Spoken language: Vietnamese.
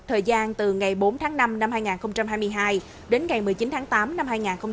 thời gian từ ngày bốn tháng năm năm hai nghìn hai mươi hai đến ngày một mươi chín tháng tám năm hai nghìn hai mươi ba